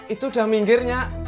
itu udah minggirnya